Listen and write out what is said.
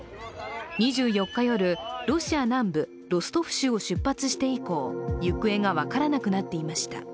２４日夜、ロシア南部ロストフ州を出発して以降、行方が分からなくなっていました。